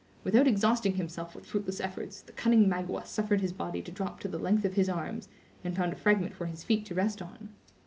Without exhausting himself with fruitless efforts, the cunning Magua suffered his body to drop to the length of his arms, and found a fragment for his feet to rest on.